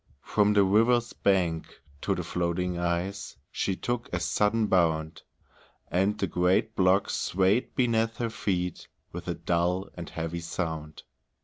From the river's bank to the floating ice She took a sudden bound, And the great block swayed beneath her feet With a dull and heavy sound.